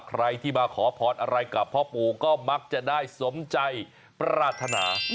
ใครที่มาขอพรอะไรกับพ่อปู่ก็มักจะได้สมใจปรารถนา